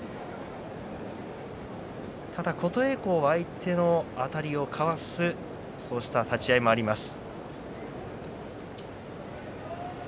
琴恵光は相手のあたりをかわすそうした立ち合いもあります。